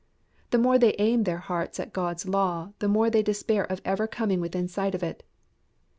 The more they aim their hearts at God's law the more they despair of ever coming within sight of it.